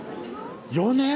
４年？